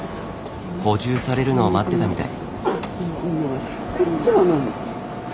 補充されるのを待ってたみたい。